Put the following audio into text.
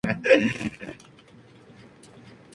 Otros de sus talentos es la música.